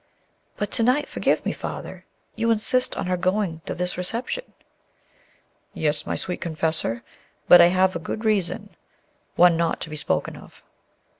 "But to night forgive me, Father you insist on our going to this reception." "Yes, my sweet confessor; but I have a good reason, one not to be spoken of."